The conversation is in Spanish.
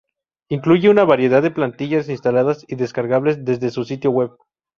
Incluye una variedad de plantillas, instaladas y descargables desde su sitio web.